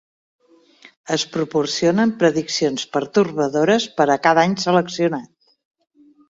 Es proporcionen prediccions pertorbadores per a cada any seleccionat.